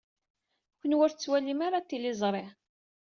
Kenwi ur tettwalim ara tiliẓri.